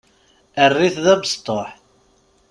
Err-it d abesṭuḥ.